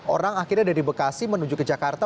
orang akhirnya dari bekasi menuju ke jakarta